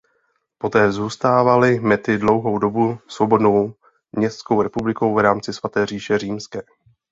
Poté zůstávaly Mety dlouhou dobu svobodnou městskou republikou v rámci Svaté říše římské.